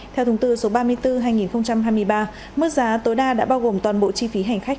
theo thông tư số ba mươi bốn hai nghìn hai mươi ba mức giá tối đa đã bao gồm toàn bộ chi phí hành khách